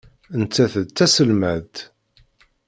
Nettat d taselmadt.